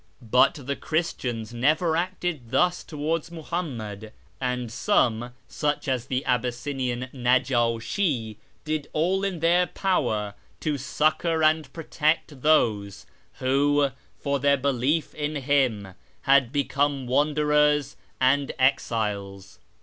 But the Christians never acted thus towards Muhammad, and some, such as the Abyssinian Najiishi, did all in their power to succour and protect those who, for their belief in him, had become wanderers and exiles."